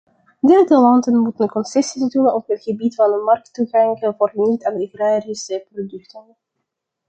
Derde landen moeten concessies doen op het gebied van markttoegang voor niet-agrarische producten.